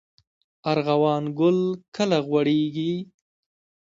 ارغوان ګل کله غوړیږي؟